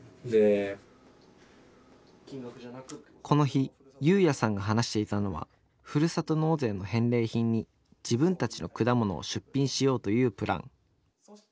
この日侑弥さんが話していたのはふるさと納税の返礼品に自分たちの果物を出品しようというプラン。